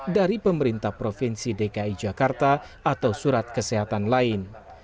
dari pemerintah provinsi dki jakarta atau surat kesehatan lain